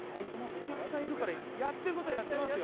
お客さんいるからやってる事はやってますよ。